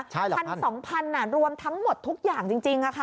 ใช่หลักพันนะพันสองพันรวมทั้งหมดทุกอย่างจริงค่ะ